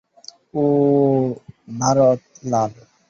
ওওও, Bharat Lal.